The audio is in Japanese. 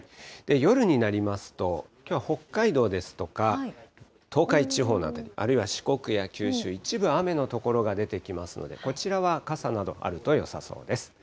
夜になりますと、きょうは北海道ですとか、東海地方の辺り、あるいは四国や九州、一部雨の所が出てきますので、こちらは傘などあるとよさそうです。